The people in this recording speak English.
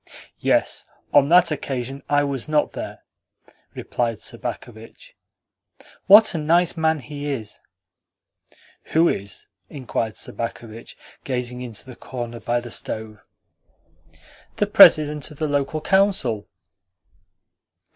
"Yes, on that occasion I was not there," replied Sobakevitch. "What a nice man he is!" "Who is?" inquired Sobakevitch, gazing into the corner by the stove. "The President of the Local Council."